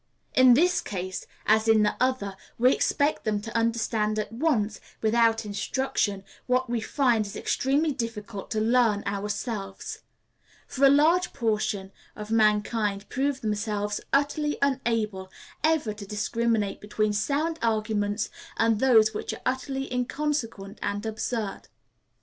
In this case as in the other we expect them to understand at once, without instruction, what we find it extremely difficult to learn ourselves; for a large portion of mankind prove themselves utterly unable ever to discriminate between sound arguments and those which are utterly inconsequent and absurd.